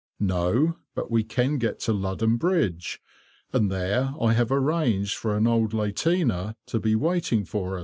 "No, but we can get to Ludham Bridge, and there I have arranged for an old lateener to be waiting for us."